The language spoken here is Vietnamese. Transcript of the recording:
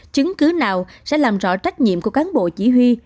chứng cứ nào sẽ làm rõ trách nhiệm của cán bộ chỉ huy